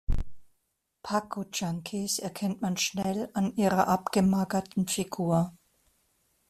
Paco-Junkies erkennt man schnell an ihrer abgemagerten Figur.